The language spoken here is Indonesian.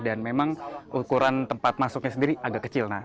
dan memang ukuran tempat masuknya sendiri agak kecil